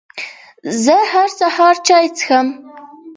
زه هر سهار چای څښم